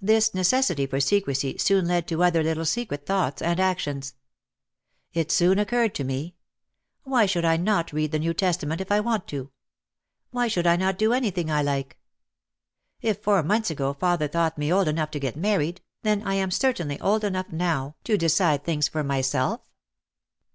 This necessity for secrecy soon led to other little secret thoughts and actions. It soon occurred to me, "Why should I not read the New Testament if I want to? Why should I not do anything I like? If four months ago father thought me old enough to get married, then I am certainly old enough now to decide 248 OUT OF THE SHADOW things for myself."